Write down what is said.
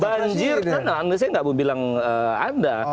banjir kan anggesnya gak mau bilang anda